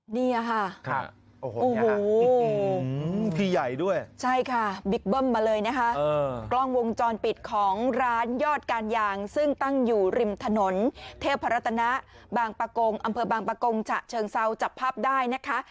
นี่ค่ะโอ้โหพี่ใหญ่ด้วยใช่ค่ะบิ๊กเบิ้มมาเลยนะคะกล้องวงจรปิดของร้านยอดการยางซึ่งตั้งอยู่ริมถนนเทพรัตนะบางประกงอำเภอบางปะกงฉะเชิงเซาจับภาพได้นะคะ